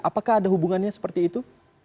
apakah ada hubungannya seperti itu